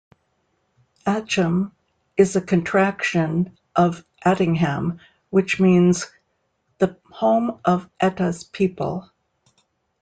'Atcham' is a contraction of 'Attingham' which means 'the home of Eata's people.